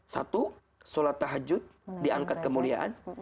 salat tahajud diangkat kemuliaan